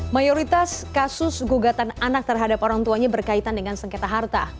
mayoritas kasus gugatan anak terhadap orang tuanya berkaitan dengan sengketa harta